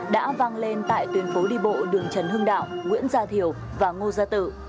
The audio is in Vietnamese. đã vang lên tại tuyến phố đi bộ đường trần hưng đạo nguyễn gia thiểu và ngô gia tự